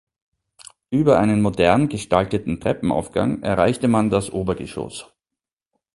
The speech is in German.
Über einen modern gestalteten Treppenaufgang erreichte man das Obergeschoss.